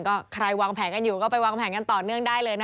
ก็ใครวางแผนกันอยู่ก็ไปวางแผนกันต่อเนื่องได้เลยนะ